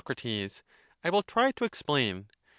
I will try to explain.